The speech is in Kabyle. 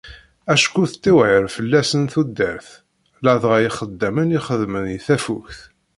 Acku tettiwεir fell-asen tudert, ladɣa ixeddamen i ixeddmen i tafukt.